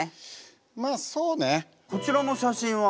まあそうね。こちらの写真は？